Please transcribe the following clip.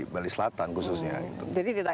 bali selatan khususnya jadi tidak